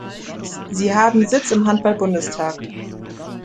Sie haben Sitz im Handball-Bundestag.